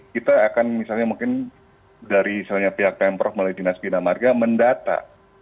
kita akan misalnya mungkin dari misalnya pihak pemprov melalui dinas bina marga mendata